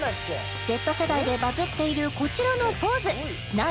Ｚ世代でバズっているこちらのポーズ何